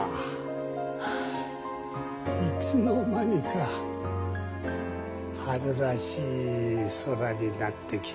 いつの間にか春らしい空になってきたな。